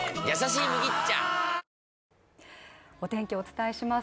お天気をお伝えします